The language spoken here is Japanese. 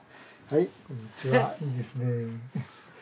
いいですね。